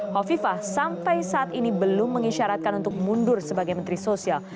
hovifah sampai saat ini belum mengisyaratkan untuk mundur sebagai menteri sosial